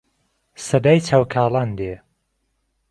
سەدای چاو کاڵان دێ